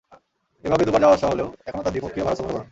এভাবে দুবার আসা-যাওয়া হলেও এখনো তাঁর দ্বিপক্ষীয় ভারত সফর হলো না।